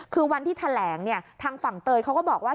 คือวันที่แถลงเนี่ยทางฝั่งเตยเขาก็บอกว่า